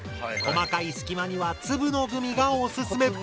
細かい隙間には粒のグミがおすすめ！